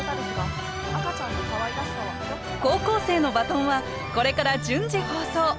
高校生のバトンはこれから順次放送。